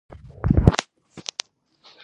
د بیان ازادي مهمه ده ځکه چې ځوانانو ته امید ورکوي.